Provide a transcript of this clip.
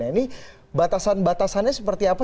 ini batasan batasannya seperti apa